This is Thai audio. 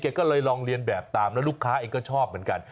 ก็เลยลองเรียนแบบตามแล้วลูกค้าเองก็ชอบเหมือนกัน